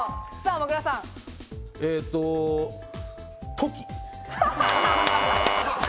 トキ。